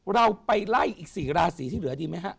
เราไปไล่อีก๔ราศีที่เหลือดีไหมฮะ